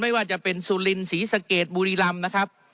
ไม่ว่าจะเป็นซูลินศรีษภเกตบูริลำนะครับ